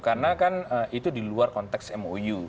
karena kan itu di luar konteks mou